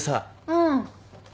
うん。